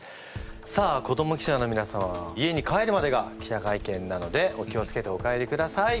さあ子ども記者のみな様家に帰るまでが記者会見なのでお気を付けてお帰りください。